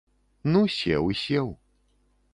Ну сеў і сеў.